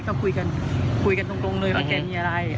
คุยกันคุยกันตรงเลยว่าแกมีอะไร